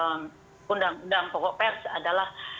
dan mengundang undang pokok pers adalah